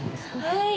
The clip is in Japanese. はい。